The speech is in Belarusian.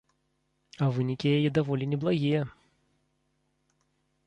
А вынікі яе даволі неблагія.